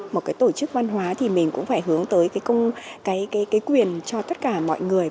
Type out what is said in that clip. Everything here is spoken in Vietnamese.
một cái tổ chức văn hóa thì mình cũng phải hướng tới cái quyền cho tất cả mọi người